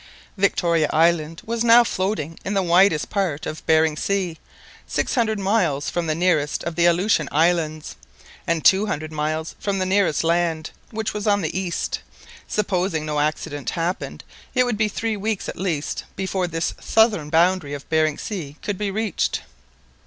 Victoria Island was now floating in the widest part of Behring Sea, six hundred miles from the nearest of the Aleutian Islands, and two hundred miles from the nearest land, which was on the east. Supposing no accident happened, it would be three weeks at least before this southern boundary of Behring Sea could be reached.